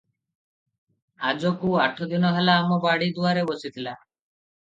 ଆଜକୁ ଆଠ ଦିନ ହେଲା ଆମ ବାଡ଼ି ଦୁଆରେ ବସିଥିଲା ।